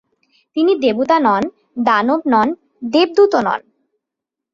তিনি দেবতা নন, দানব নন, দেবদূতও নন।